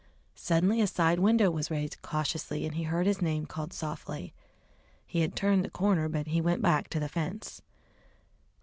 Suddenly a side window was raised cautiously and he heard his name called softly. He had turned the corner, but he went back to the fence.